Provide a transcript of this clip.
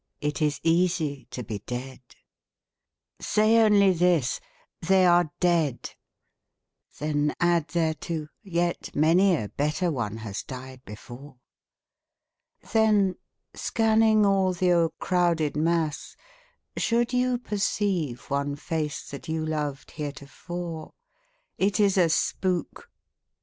It is easy to be dead. Say only this, " They are dead." Then add thereto, " Yet many a better one has died before." Then, scanning all the o'ercrowded mass, should you Perceive one face that you loved heretofore, It is a spook.